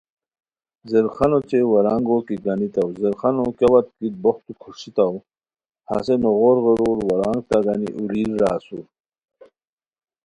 زیرخانو اوچے ورانگو کیگانیتاؤ ،زیرخانو کیہ وت کی بوختو کھاݰیتاؤ ہسے نوغور غیرور ورانگ تہ گانی اولیر را اسور